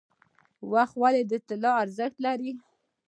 وخت ولې د طلا ارزښت لري؟